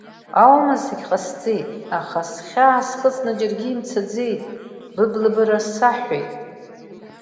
Аума зегь ҟасҵеит, аха схьаа схыҵны џьаргьы имцаӡеит, быблабара саҳәеит…